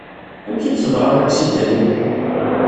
Amek i d-teḍra laksida-nni?